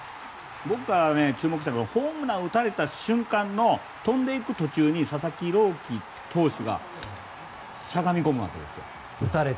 僕が注目したのはホームランを打たれた瞬間の飛んでいく途中に佐々木朗希投手がしゃがみ込むわけですよ。